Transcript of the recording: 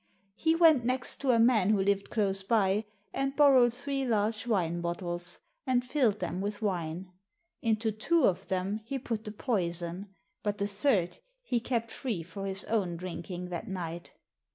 He went next to a man who lived close by, and bor rowed three large wine bottles and filled them with wine. Into two of them he put the poison, but the third he kept free for his own drinking, that night.